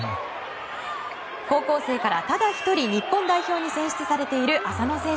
高校生からただ１人、日本代表に選出されている麻野選手。